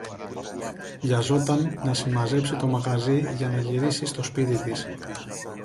βιαζόταν να συμμαζέψει το μαγαζί για να γυρίσει στο σπίτι της